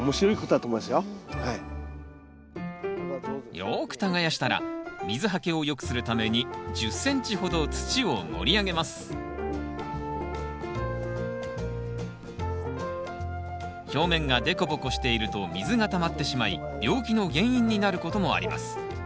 よく耕したら水はけを良くするために１０ｃｍほど土を盛り上げます表面が凸凹していると水がたまってしまい病気の原因になることもあります。